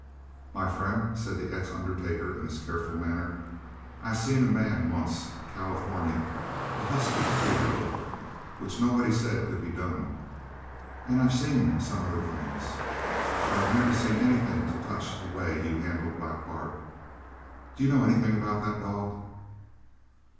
"My friend," said the ex undertaker in his careful manner, "I seen a man once California a husky two year old which nobody said could be done, and I've seen some other things, but I've never seen anything to touch the way you handled Black Bart. D'you know anything about that dog?"